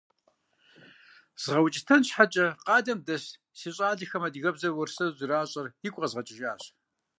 ЗгъэукӀытэн щхьэкӀэ къалэм дэс си щӀалэхэм адыгэбзэр уэрсэру зэращӀэр игу къэзгъэкӀыжащ.